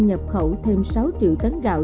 nhập khẩu thêm sáu triệu tấn gạo